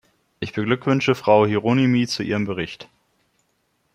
Ich beglückwünsche Frau Hieronymi zu ihrem Bericht.